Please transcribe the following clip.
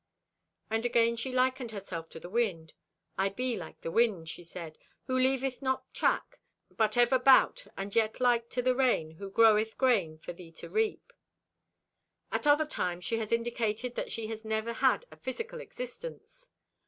And again she likened herself to the wind. "I be like the wind," she said, "who leaveth not track, but ever 'bout, and yet like to the rain who groweth grain for thee to reap." At other times she has indicated that she has never had a physical existence.